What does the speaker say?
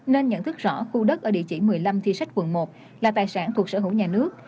nên nhận thức rõ khu đất ở địa chỉ một mươi năm thi sách quận một là tài sản thuộc sở hữu nhà nước